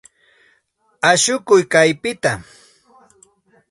Ashukuy kaypita.